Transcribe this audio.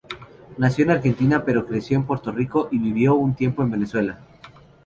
Nació en Argentina pero creció en Puerto Rico y vivió un tiempo en Venezuela.